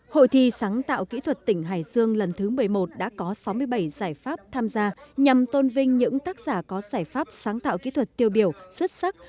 hội thi sáng tạo kỹ thuật tỉnh hải dương lần thứ một mươi một đã có sáu mươi bảy giải pháp tham gia nhằm tôn vinh những tác giả có giải pháp sáng tạo kỹ thuật tiêu biểu xuất sắc